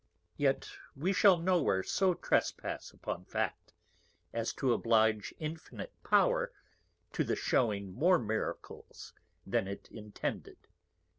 _ _Yet we shall no where so Trespass upon Fact, as to oblige Infinite Power to the shewing more Miracles than it intended.